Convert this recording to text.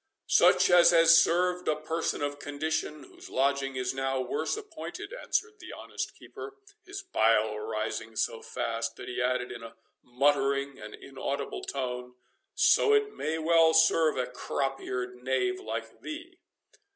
"Such as has served a person of condition, whose lodging is now worse appointed," answered the honest keeper, his bile rising so fast that he added, in a muttering and inaudible tone, "so it may well serve a crop eared knave like thee."